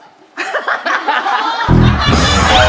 เราก็คิดด้วยคุณ